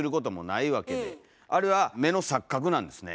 あれは目の錯覚なんですね。